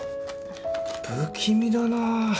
不気味だなぁ。